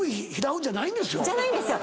じゃないんですよ！